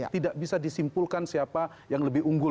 tidak bisa disimpulkan siapa yang lebih unggul